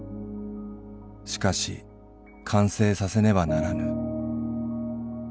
しかし完成させねばならぬ。